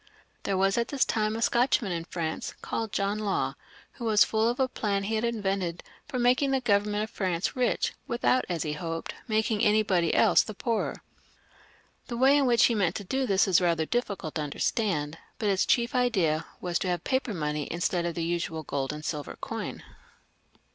There was at this time a Scotchman in France, called John Law, who was full of a plan he had invented for making the Government of France rich, without, as he hoped, making anybody else the poorer. The way in which he meant to do this is rather difficult to understand, but his chief idea was to have paper money instead of the usual gold and silver coin.